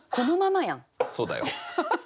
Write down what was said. そうだよ。